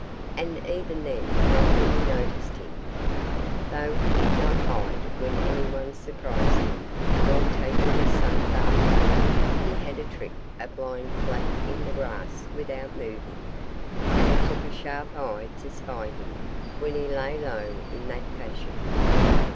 And even then not many noticed him. Though he did not hide when anyone surprised him while taking a sun bath, he had a trick of lying flat in the grass without moving. And it took a sharp eye to spy him when he lay low in that fashion.